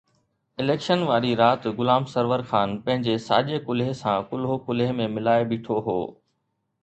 Election واري رات غلام سرور خان پنهنجي ساڄي ڪلهي سان ڪلهو ڪلهي ۾ ملائي بيٺو هو.